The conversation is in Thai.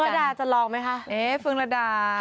เฟินละดาจะลองไหมคะเรียนพุนละดา